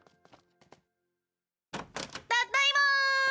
ただいま！